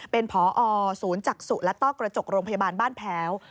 เป็นพอศูนย์จักษุและต้อกระจกโรงพยาบาลบ้านแพ้ว